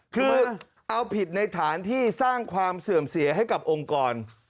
คือเอาผิดในฐานที่สร้างความเสื่อมเสียให้กับองค์กร